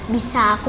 bisa nyelamatin aku